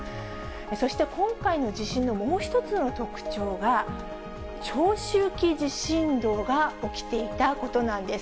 そして今回の地震のもう一つの特徴が、長周期地震動が起きていたことなんです。